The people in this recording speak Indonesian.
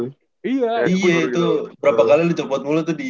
iya iya itu berapa kali dicepet mulu tuh di